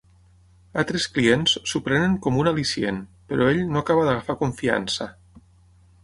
Altres clients s'ho prenen com un al·licient, però ell no acaba d'agafar confiança.